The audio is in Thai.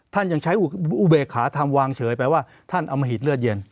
ท่านยังใช้อุเบกขาทำวางเฉยแปลว่าท่านเอามาหิดเลือดเย็น